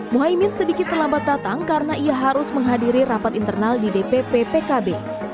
muhaymin sedikit terlambat datang karena ia harus menghadiri rapat internal di dpp pkb